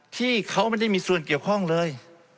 ที่เขาไม่ได้มีส่วนเกี่ยวข้องเลย